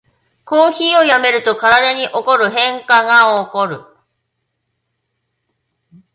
コーヒーをやめると体に起こる変化がおこる